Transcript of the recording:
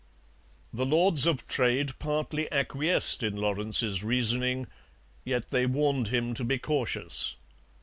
The Lords of Trade partly acquiesced in Lawrence's reasoning, yet they warned him to be cautious.